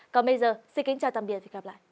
còn bây giờ xin kính chào tạm biệt